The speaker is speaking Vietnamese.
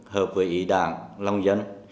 hợp với ý đảng lòng dân